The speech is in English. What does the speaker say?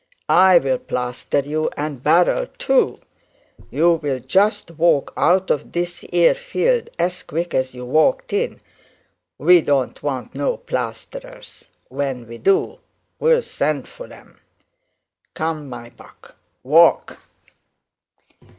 'I'll plaister you and Barrell too; you'll just walk out of this 'ere field as quick as you walked in. We don't want no plaisterers; when we do, we'll send for 'em. Come, my buck, walk.'